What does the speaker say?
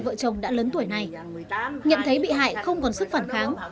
vợ chồng đã lớn tuổi này nhận thấy bị hại không còn sức phản kháng